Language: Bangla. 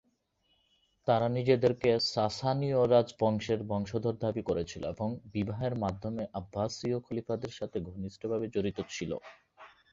তারা নিজেদেরকে সাসানীয় রাজবংশের বংশধর দাবি করেছিল এবং বিবাহের মাধ্যমে আব্বাসীয় খলিফাদের সাথে ঘনিষ্ঠভাবে জড়িত ছিল।